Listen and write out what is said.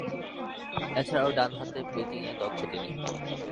এছাড়াও ডানহাতে ব্যাটিংয়ে দক্ষ তিনি।